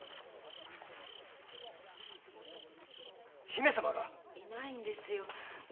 姫様がいないんですよ。